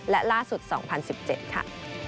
๒๐๑๔๒๐๑๕และล่าสุด๒๐๑๗ค่ะ